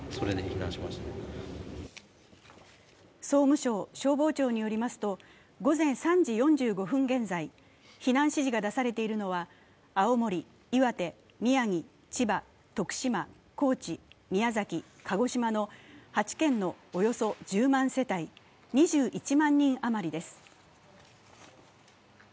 総務省、消防庁によりますと午前３時４５分現在、避難指示が出されているのは、青森、岩手、宮城、千葉、徳島、高知、宮崎、鹿児島の８県のおよそ１０万世帯、２１万人余りです。